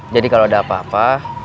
jadi kalo ada apa apa